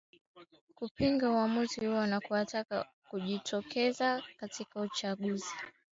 kupinga uwamjuzi huo na kuwataka kujitokeza katika uchaguzi